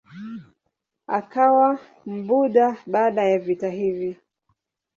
Akawa Mbudha baada ya vita hivi.